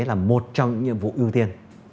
là một trong những vụ ưu tiên